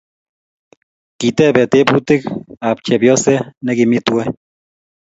Kitebee tebutik ab chepyose nekimii tuwai